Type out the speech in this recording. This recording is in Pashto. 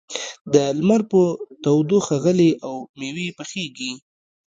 د لمر په تودوخه غلې او مېوې پخېږي.